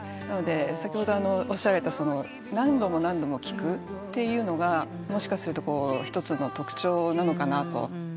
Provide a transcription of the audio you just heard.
なので先ほどおっしゃられた何度も何度も聴くっていうのがもしかすると一つの特徴なのかなと。